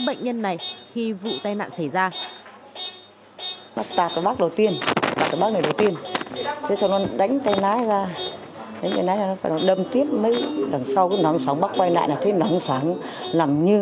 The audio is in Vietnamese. đó là tâm trạng chung của những bệnh nhân này khi vụ tai nạn xảy ra